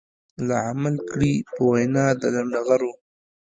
لا عمل کړي په وينا د لنډغرو.